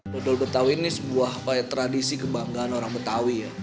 dodol betawi ini sebuah tradisi kebanggaan orang betawi ya